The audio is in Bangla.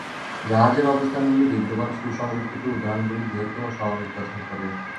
জাহাজের অবস্থানগুলি বিদ্যমান সুসংরক্ষিত উদাহরণগুলির বৃহত্তম সমাবেশ গঠন করে।